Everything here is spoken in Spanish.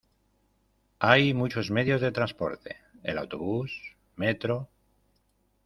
Hay muchos medios de transporte: el autobús, metro...